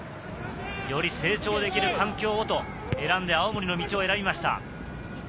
より成長できる環境をと選んで、青森の道を選びました。